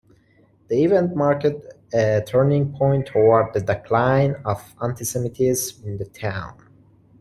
The event marked a turning point toward the decline of anti-Semitism in the town.